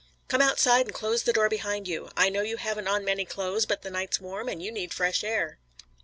"Come outside and close the door behind you. I know you haven't on many clothes, but the night's warm, and you need fresh air."